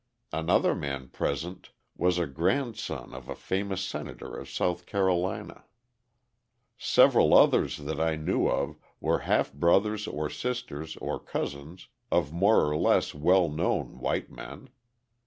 Another man present was a grandson of a famous senator of South Carolina. Several others that I knew of were half brothers or sisters or cousins of more or less well known white men.